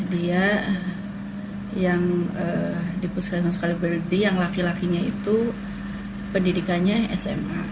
dia yang di puskesmas kalibalikti yang laki lakinya itu pendidikannya sma